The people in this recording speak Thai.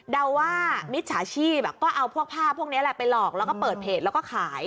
เดาว่ามิจฉาชีพก็เอาพวกภาพพวกนี้แหละไปหลอกแล้วก็เปิดเพจแล้วก็ขาย